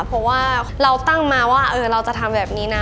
เพราะว่าเราตั้งมาว่าเราจะทำแบบนี้นะ